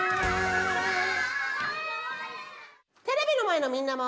テレビのまえのみんなも。